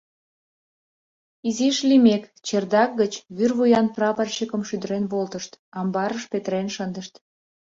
Изиш лиймек, чердак гыч вӱр вуян прапорщикым шӱдырен волтышт, амбарыш петырен шындышт.